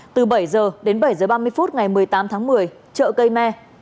từ bảy h đến bảy h ba mươi phút ngày một mươi tám tháng một mươi chợ cây me